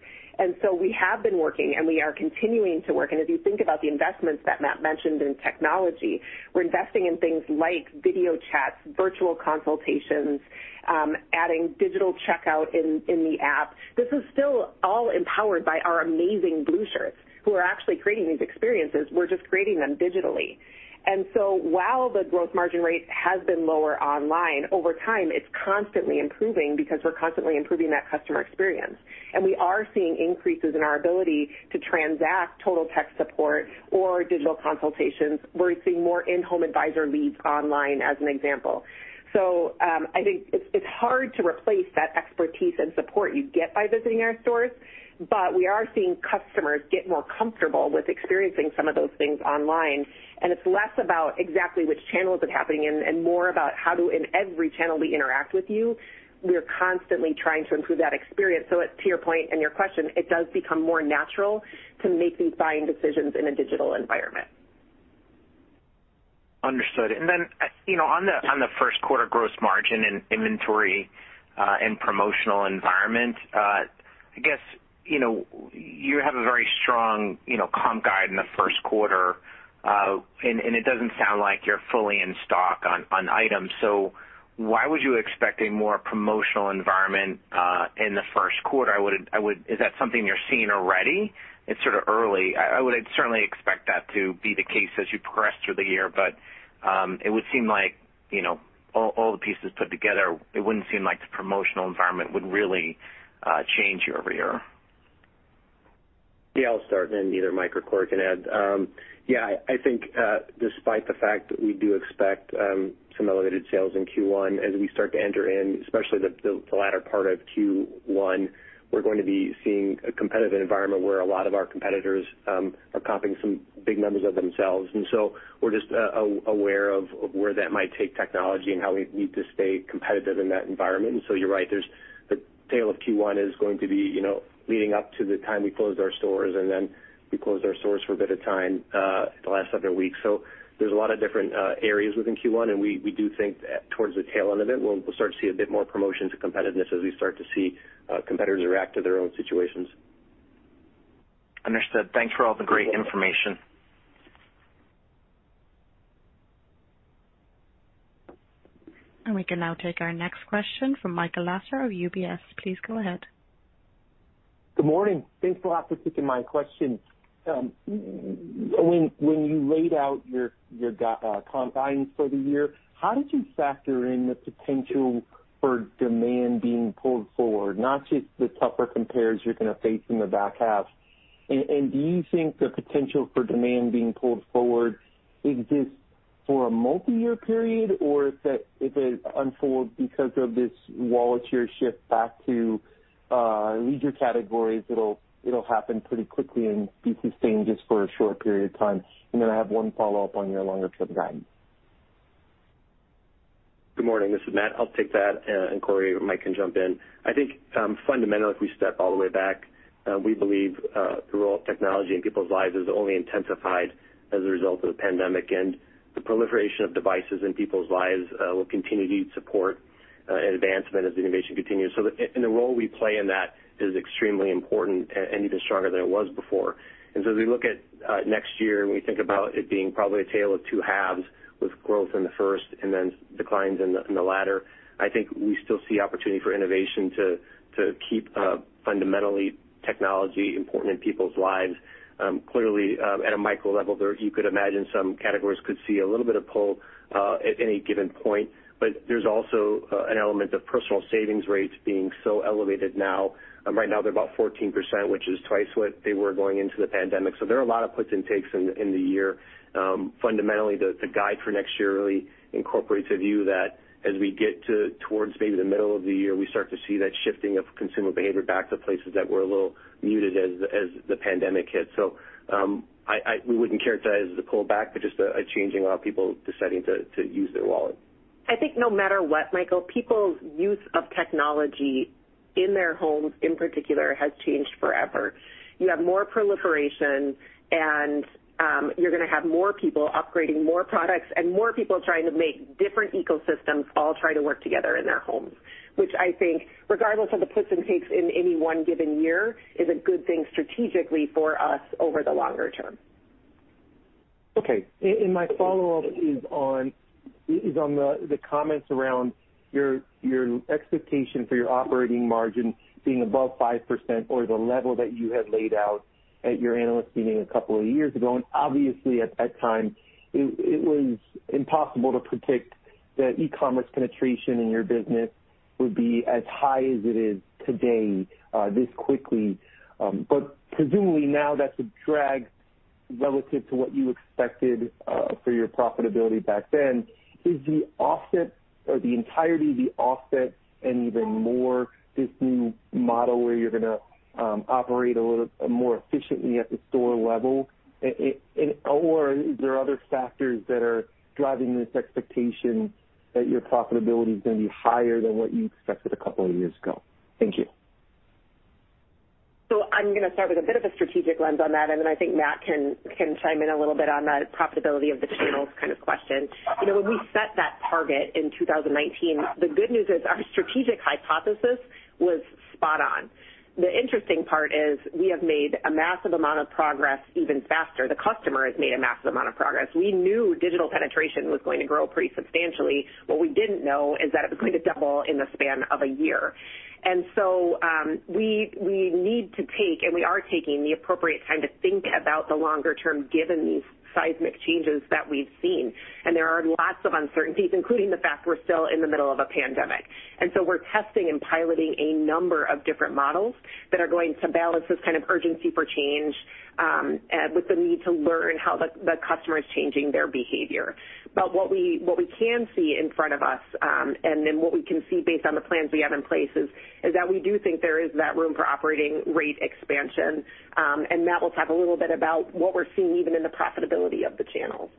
We have been working, and we are continuing to work. If you think about the investments that Matt mentioned in technology, we're investing in things like video chats, virtual consultations, adding digital checkout in the app. This is still all empowered by our amazing Blue Shirts who are actually creating these experiences. We're just creating them digitally. While the gross margin rate has been lower online, over time, it's constantly improving because we're constantly improving that customer experience. We are seeing increases in our ability to transact Total Tech Support or digital consultations. We're seeing moreIn-Home Advisor leads online as an example. I think it's hard to replace that expertise and support you get by visiting our stores, but we are seeing customers get more comfortable with experiencing some of those things online, and it's less about exactly which channels it's happening in and more about how do in every channel we interact with you, we are constantly trying to improve that experience. To your point and your question, it does become more natural to make these buying decisions in a digital environment. Understood. On the first quarter gross margin and inventory and promotional environment, I guess you have a very strong comp guide in the first quarter, and it doesn't sound like you're fully in stock on items. Why would you expect a more promotional environment in the first quarter? Is that something you're seeing already? It's sort of early. I would certainly expect that to be the case as you progress through the year, but it would seem like all the pieces put together, it wouldn't seem like the promotional environment would really change year-over-year. I'll start and either Mike or Corie can add. I think, despite the fact that we do expect some elevated sales in Q1, as we start to enter, especially the latter part of Q1, we're going to be seeing a competitive environment where a lot of our competitors are comping some big numbers of themselves. We're just aware of where that might take technology and how we need to stay competitive in that environment. You're right. The tail of Q1 is going to be leading up to the time we closed our stores, and then we closed our stores for a bit of time, the last several weeks. There's a lot of different areas within Q1, and we do think that towards the tail end of it, we'll start to see a bit more promotions and competitiveness as we start to see competitors react to their own situations. Understood. Thanks for all the great information. We can now take our next question from Michael Lasser of UBS. Please go ahead. Good morning. Thanks for the opportunity to my question. When you laid out your guidance for the year, how did you factor in the potential for demand being pulled forward, not just the tougher compares you're going to face in the back half? Do you think the potential for demand being pulled forward exists for a multi-year period? If it unfolds because of this wallet share shift back to leisure categories, it'll happen pretty quickly and be sustained just for a short period of time? Then I have one follow-up on your longer-term guidance. Good morning. This is Matt. I'll take that, and Corie or Mike can jump in. I think, fundamentally, if we step all the way back, we believe the role of technology in people's lives has only intensified as a result of the pandemic, and the proliferation of devices in people's lives will continue to need support and advancement as innovation continues. The role we play in that is extremely important and even stronger than it was before. As we look at next year and we think about it being probably a tale of two halves with growth in the first and then declines in the latter, I think we still see opportunity for innovation to keep fundamentally technology important in people's lives. Clearly, at a micro level there, you could imagine some categories could see a little bit of pull at any given point, but there's also an element of personal savings rates being so elevated now. Right now they're about 14%, which is twice what they were going into the pandemic. There are a lot of puts and takes in the year. Fundamentally, the guide for next year really incorporates a view that as we get towards maybe the middle of the year, we start to see that shifting of consumer behavior back to places that were a little muted as the pandemic hit. We wouldn't characterize it as a pullback, but just a changing of people deciding to use their wallet. I think no matter what, Michael, people's use of technology in their homes, in particular, has changed forever. You have more proliferation, and you're going to have more people upgrading more products and more people trying to make different ecosystems all try to work together in their homes, which I think, regardless of the puts and takes in any one given year, is a good thing strategically for us over the longer term. Okay. My follow-up is on the comments around your expectation for your operating margin being above 5% or the level that you had laid out at your analyst meeting a couple of years ago. Obviously at that time, it was impossible to predict that e-commerce penetration in your business would be as high as it is today, this quickly. Presumably now that's a drag relative to what you expected for your profitability back then. Is the entirety the offset and even more this new model where you're going to operate a little more efficiently at the store level, or are there other factors that are driving this expectation that your profitability is going to be higher than what you expected a couple of years ago? Thank you. I'm going to start with a bit of a strategic lens on that, and then I think Matt can chime in a little bit on the profitability of the channels kind of question. When we set that target in 2019, the good news is our strategic hypothesis was spot on. The interesting part is we have made a massive amount of progress even faster. The customer has made a massive amount of progress. We knew digital penetration was going to grow pretty substantially. What we didn't know is that it was going to double in the span of a year. We need to take, and we are taking the appropriate time to think about the longer term given these seismic changes that we've seen. There are lots of uncertainties, including the fact we're still in the middle of a pandemic. We're testing and piloting a number of different models that are going to balance this kind of urgency for change with the need to learn how the customer is changing their behavior. What we can see in front of us, and then what we can see based on the plans we have in place, is that we do think there is that room for operating rate expansion. Matt will talk a little bit about what we're seeing even in the profitability of the channels.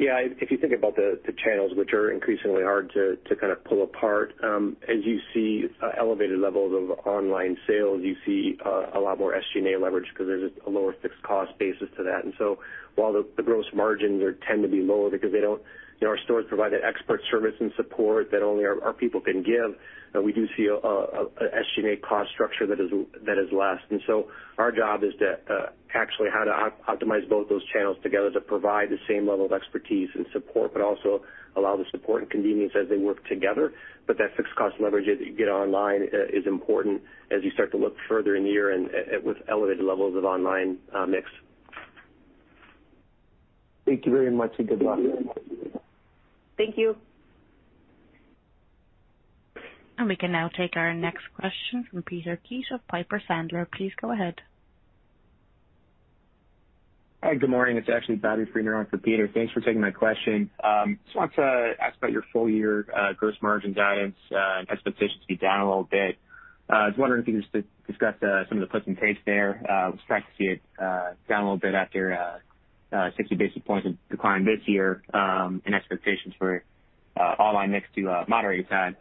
Yeah. If you think about the channels, which are increasingly hard to pull apart, as you see elevated levels of online sales, you see a lot more SG&A leverage because there's a lower fixed cost basis to that. While the gross margins tend to be lower because our stores provide that expert service and support that only our people can give, we do see an SG&A cost structure that is less. Our job is to actually how to optimize both those channels together to provide the same level of expertise and support, but also allow the support and convenience as they work together. That fixed cost leverage that you get online is important as you start to look further in the year and with elevated levels of online mix. Thank you very much and good luck. Thank you. We can now take our next question from Peter Keith of Piper Sandler. Please go ahead. Hi, good morning. It's actually Bobby Friedner on for Peter. Thanks for taking my question. Just wanted to ask about your full-year gross margin guidance and expectations to be down a little bit. I was wondering if you could just discuss some of the puts and takes there. Was surprised to see it down a little bit after 60 basis points of decline this year and expectations for online mix to moderate that.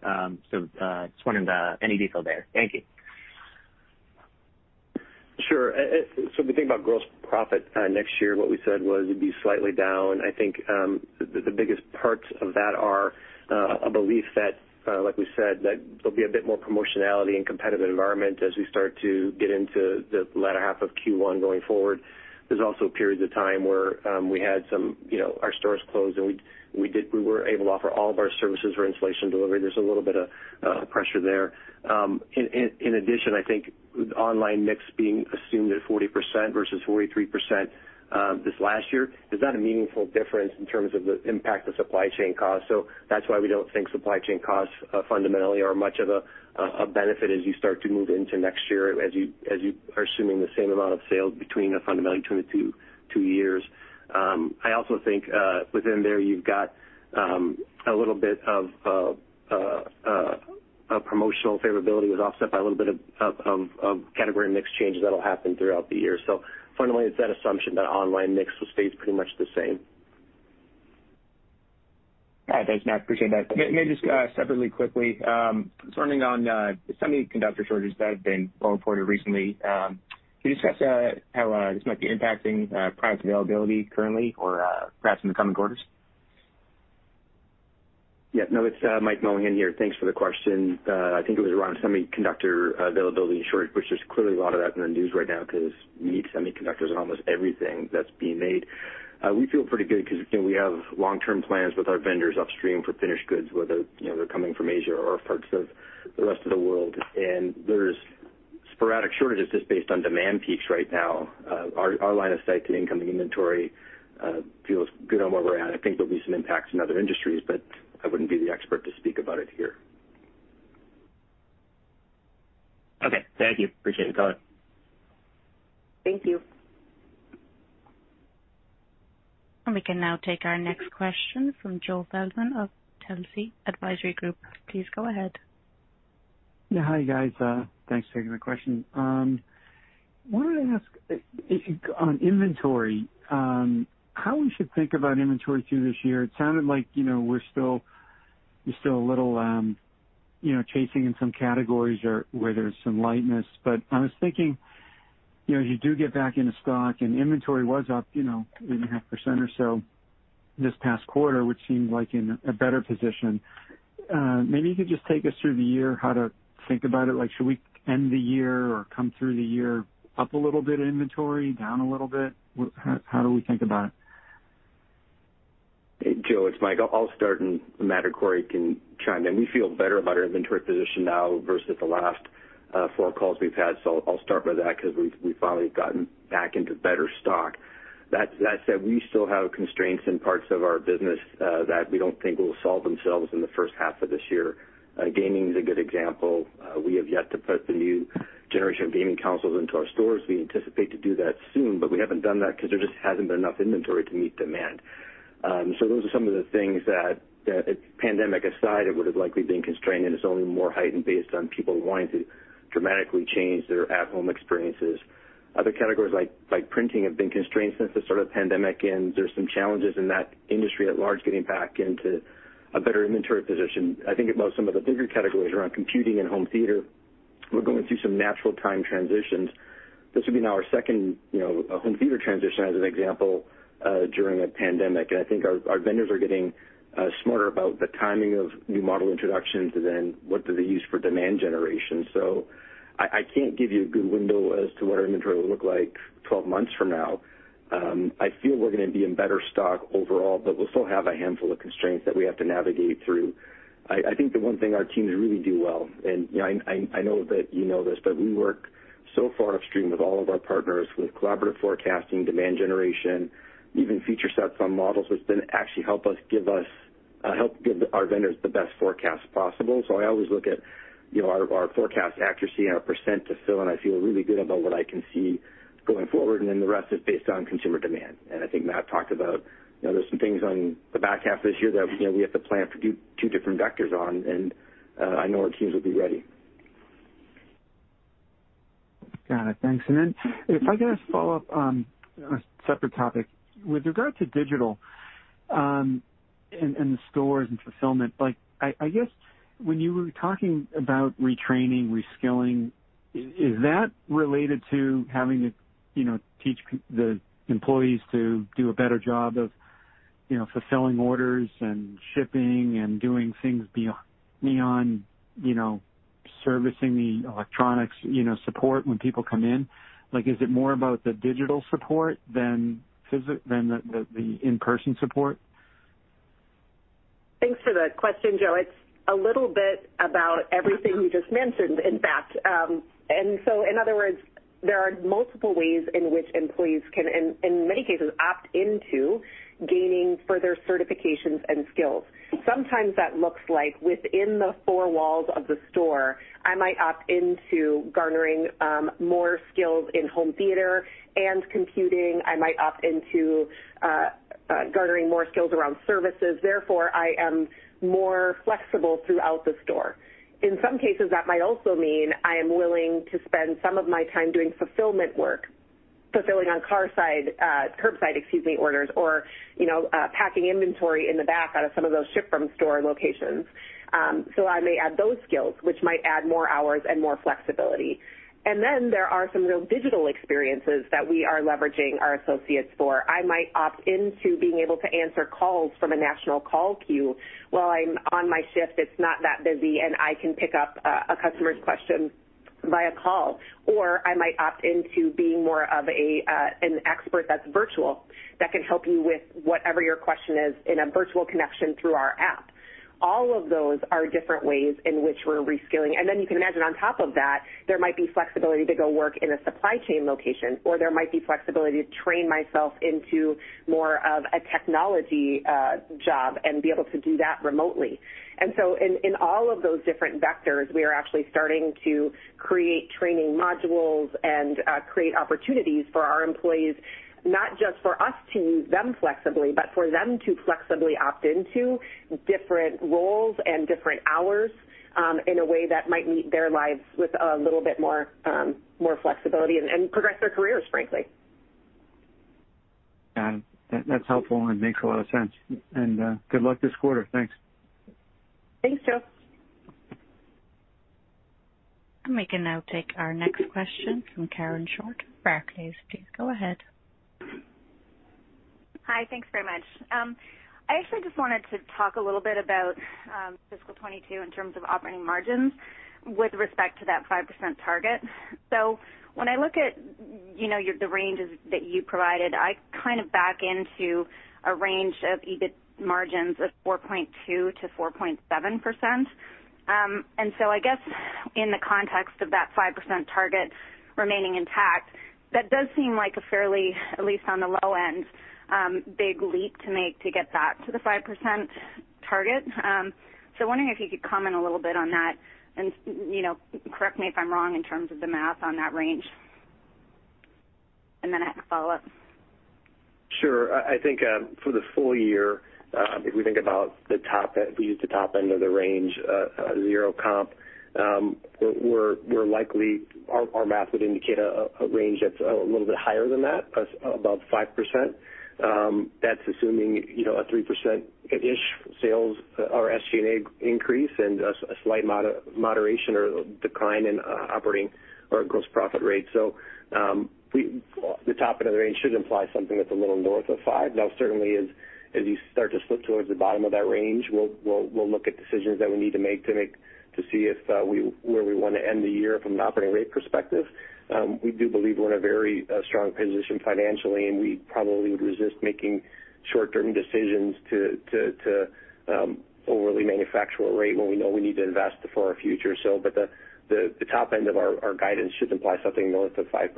Just wondering any detail there. Thank you. Sure. If we think about gross profit next year, what we said was it'd be slightly down. I think the biggest parts of that are a belief that, like we said, that there'll be a bit more promotionality and competitive environment as we start to get into the latter half of Q1 going forward. There's also periods of time where we had our stores closed, and we weren't able to offer all of our services or installation delivery. There's a little bit of pressure there. In addition, I think online mix being assumed at 40% versus 43% this last year is not a meaningful difference in terms of the impact of supply chain costs. That's why we don't think supply chain costs fundamentally are much of a benefit as you start to move into next year, as you are assuming the same amount of sales between the two years. I also think, within there, you've got a little bit of a promotional favorability was offset by a little bit of category mix changes that'll happen throughout the year. Fundamentally, it's that assumption that online mix will stay pretty much the same. All right. Thanks, Matt. Appreciate that. Maybe just separately, quickly, turning on semiconductor shortages that have been well reported recently. Can you discuss how this might be impacting product availability currently or perhaps in the coming quarters? Yeah. No, it's Mike Mohan here. Thanks for the question. I think it was around semiconductor availability and shortage, which there's clearly a lot of that in the news right now because you need semiconductors in almost everything that's being made. We feel pretty good because we have long-term plans with our vendors upstream for finished goods, whether they're coming from Asia or parts of the rest of the world. There's sporadic shortages just based on demand peaks right now. Our line of sight to incoming inventory feels good on where we're at. I think there'll be some impacts in other industries. I wouldn't be the expert to speak about it here. Okay. Thank you. Appreciate the color. Thank you. We can now take our next question from Joe Feldman of Telsey Advisory Group. Please go ahead. Yeah. Hi, guys. Thanks for taking my question. Wanted to ask on inventory, how we should think about inventory through this year. It sounded like you're still a little chasing in some categories or where there's some lightness. I was thinking, as you do get back into stock and inventory was up 8.5% or so this past quarter, which seems like in a better position. Maybe you could just take us through the year, how to think about it. Should we end the year or come through the year up a little bit inventory, down a little bit? How do we think about it? Hey, Joe, it's Mike. I'll start and Matt or Corie can chime in. We feel better about our inventory position now versus the last four calls we've had. I'll start with that because we've finally gotten back into better stock. That said, we still have constraints in parts of our business that we don't think will solve themselves in the first half of this year. Gaming is a good example. We have yet to put the new generation of gaming consoles into our stores. We anticipate to do that soon, but we haven't done that because there just hasn't been enough inventory to meet demand. Those are some of the things that, pandemic aside, it would've likely been constrained, and it's only more heightened based on people wanting to dramatically change their at-home experiences. Other categories like printing have been constrained since the start of the pandemic, there's some challenges in that industry at large getting back into a better inventory position. I think about some of the bigger categories around computing and home theater, we're going through some natural time transitions. This will be now our second home theater transition, as an example, during a pandemic. I think our vendors are getting smarter about the timing of new model introductions then what do they use for demand generation. I can't give you a good window as to what our inventory will look like 12 months from now. I feel we're going to be in better stock overall, we'll still have a handful of constraints that we have to navigate through. I think the one thing our teams really do well, and I know that you know this, but we work so far upstream with all of our partners with collaborative forecasting, demand generation, even feature sets on models, which then actually help give our vendors the best forecast possible. I always look at our forecast accuracy and our percent to fill, and I feel really good about what I can see going forward, and then the rest is based on consumer demand. I think Matt talked about there's some things on the back half of this year that we have to plan for two different vectors on, and I know our teams will be ready. Got it. Thanks. If I could ask a follow-up on a separate topic. With regard to digital and the stores and fulfillment, I guess when you were talking about retraining, reskilling, is that related to having to teach the employees to do a better job of fulfilling orders and shipping and doing things beyond servicing the electronics support when people come in? Is it more about the digital support than the in-person support? Thanks for the question, Joe. It's a little bit about everything you just mentioned, in fact. In other words, there are multiple ways in which employees can, in many cases, opt into gaining further certifications and skills. Sometimes that looks like within the four walls of the store, I might opt into garnering more skills in home theater and computing. I might opt into garnering more skills around services. Therefore, I am more flexible throughout the store. In some cases, that might also mean I am willing to spend some of my time doing fulfillment work, fulfilling on curbside orders or packing inventory in the back out of some of those ship-from-store locations. I may add those skills, which might add more hours and more flexibility. Then there are some real digital experiences that we are leveraging our associates for. I might opt into being able to answer calls from a national call queue while I'm on my shift. It's not that busy, and I can pick up a customer's question via call. Or I might opt into being more of an expert that's virtual that can help you with whatever your question is in a virtual connection through our app. All of those are different ways in which we're reskilling. You can imagine on top of that, there might be flexibility to go work in a supply chain location, or there might be flexibility to train myself into more of a technology job and be able to do that remotely. In all of those different vectors, we are actually starting to create training modules and create opportunities for our employees, not just for us to use them flexibly, but for them to flexibly opt into different roles and different hours in a way that might meet their lives with a little bit more flexibility and progress their careers, frankly. That's helpful and makes a lot of sense. Good luck this quarter. Thanks. Thanks, Joe. We can now take our next question from Karen Short, Barclays. Please go ahead. Hi. Thanks very much. I actually just wanted to talk a little bit about fiscal 2022 in terms of operating margins with respect to that 5% target. When I look at the ranges that you provided, I kind of back into a range of EBIT margins of 4.2%-4.7%. I guess in the context of that 5% target remaining intact, that does seem like a fairly, at least on the low end, big leap to make to get that to the 5% target. Wondering if you could comment a little bit on that, and correct me if I'm wrong in terms of the math on that range. I have a follow-up. Sure. I think for the full year, if we use the top end of the range, zero comp, our math would indicate a range that's a little bit higher than that, above 5%. That's assuming a 3%-ish sales or SG&A increase and a slight moderation or decline in operating or gross profit rate. The top end of the range should imply something that's a little north of five. Now certainly as you start to slip towards the bottom of that range, we'll look at decisions that we need to make to see where we want to end the year from an operating rate perspective. We do believe we're in a very strong position financially, and we probably would resist making short-term decisions to overly manufacture a rate when we know we need to invest for our future. The top end of our guidance should imply something north of 5%.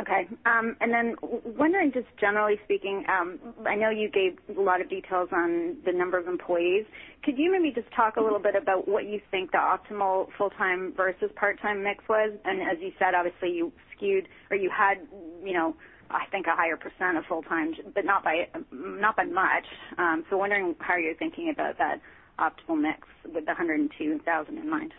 Okay. Wondering just generally speaking, I know you gave a lot of details on the number of employees, could you maybe just talk a little bit about what you think the optimal full-time versus part-time mix was? As you said, obviously you skewed or you had I think a higher percent of full-time, but not by much. Wondering how you're thinking about that optimal mix with the 102,000 in mind?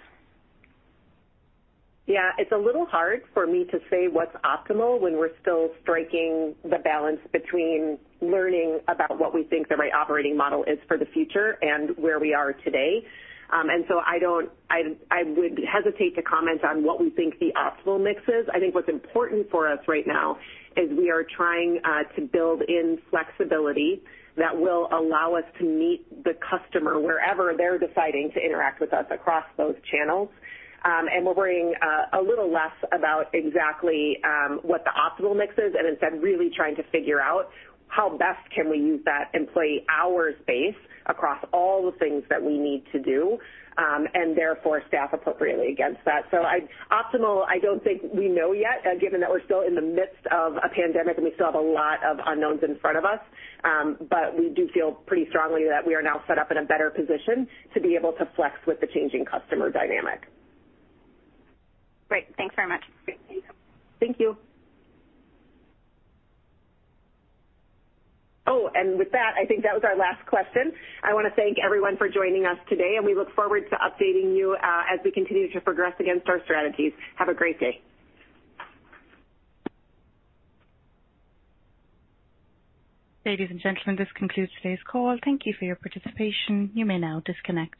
Yeah. It's a little hard for me to say what's optimal when we're still striking the balance between learning about what we think the right operating model is for the future and where we are today. I would hesitate to comment on what we think the optimal mix is. I think what's important for us right now is we are trying to build in flexibility that will allow us to meet the customer wherever they're deciding to interact with us across those channels. We're worrying a little less about exactly what the optimal mix is, and instead really trying to figure out how best can we use that employee hours base across all the things that we need to do, and therefore staff appropriately against that. Optimal, I don't think we know yet, given that we're still in the midst of a pandemic and we still have a lot of unknowns in front of us. We do feel pretty strongly that we are now set up in a better position to be able to flex with the changing customer dynamic. Great. Thanks very much. Thank you. With that, I think that was our last question. I want to thank everyone for joining us today, and we look forward to updating you as we continue to progress against our strategies. Have a great day. Ladies and gentlemen, this concludes today's call. Thank you for your participation. You may now disconnect.